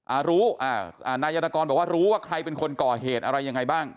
อ่ารู้อ่าอ่านายยานกรบอกว่ารู้ว่าใครเป็นคนก่อเหตุอะไรยังไงบ้าง